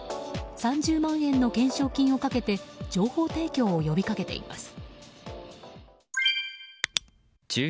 ３０万円の懸賞金をかけて情報提供を呼び掛けています。